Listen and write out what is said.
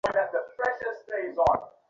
আমি সকলের সঙ্গে সমান ভূমিতে দাঁড়াইয়া নাই।